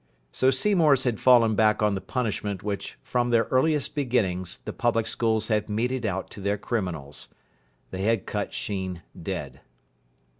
So Seymour's had fallen back on the punishment which from their earliest beginnings the public schools have meted out to their criminals. They had cut Sheen dead.